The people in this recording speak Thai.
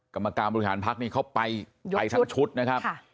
กรรมการบริหารพรรคนี้เข้าไปยกชุดไปทั้งชุดนะครับค่ะ